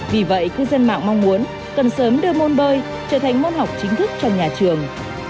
vì vậy cư dân mạng mong muốn cần sớm đưa môn bơi trở thành môn học chính thức cho nhà trường